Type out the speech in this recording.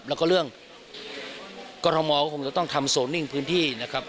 แล้วก็เรื่องกรมฮก็คงจะต้องทำโสนิ่งพื้นที่